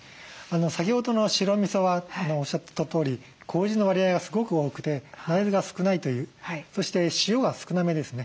先ほどの白みそはおっしゃってたとおりこうじの割合がすごく多くて大豆が少ないというそして塩が少なめですね。